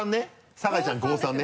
酒井ちゃん５３ね。